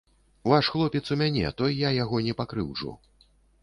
Ваш хлопец у мяне, то я яго не пакрыўджу.